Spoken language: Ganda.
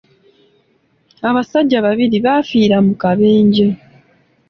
Abasajja babiri baafiira mu kabenje.